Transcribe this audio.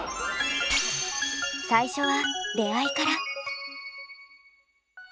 最初は出会いから。